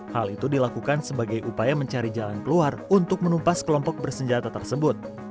hal itu dilakukan sebagai upaya mencari jalan keluar untuk menumpas kelompok bersenjata tersebut